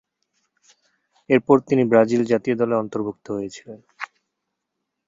এরপর তিনি ব্রাজিল জাতীয় দলে অন্তর্ভুক্ত হয়েছিলেন।